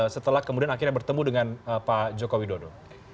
setelah kemudian akhirnya bertemu dengan pak jokowi dodo